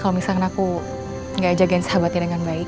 kalo misalkan aku gak ajakin sahabatnya dengan baik